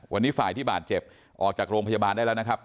วันนี้ฝ่ายที่บาดเจ็บออกจากโรงพยาบาลได้แล้วนะครับ